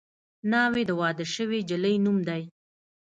ناوې د واده شوې نجلۍ نوم دی